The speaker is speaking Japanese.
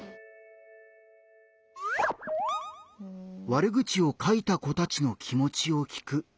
「悪口を書いた子たちの気もちを聞く」。